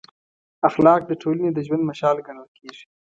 اخلاق د ټولنې د ژوند مشال ګڼل کېږي.